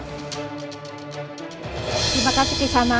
terima kasih kisana